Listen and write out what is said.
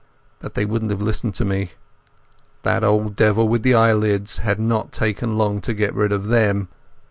But they wouldn't have listened to me. That old devil with the eyelids had not taken long to get rid of them.